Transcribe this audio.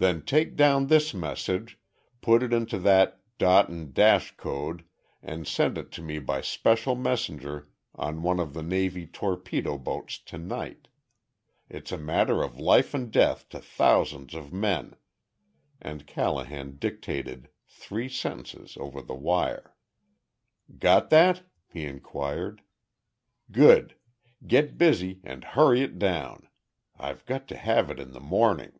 "Then take down this message, put it into that dot and dash code and send it to me by special messenger on one of the navy torpedo boats to night. It's a matter of life and death to thousands of men!" and Callahan dictated three sentences over the wire. "Got that?" he inquired. "Good! Get busy and hurry it down. I've got to have it in the morning."